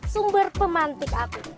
sumber pemantik api